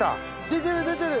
出てる出てる！